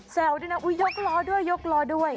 เศลด้วยนะอุ้ยยกล้อด้วยด้วย